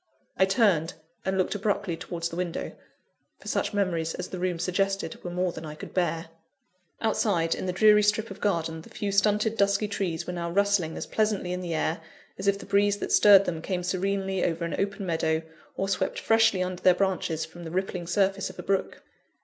I turned, and looked abruptly towards the window; for such memories as the room suggested were more than I could bear. Outside, in the dreary strip of garden, the few stunted, dusky trees were now rustling as pleasantly in the air, as if the breeze that stirred them came serenely over an open meadow, or swept freshly under their branches from the rippling surface of a brook.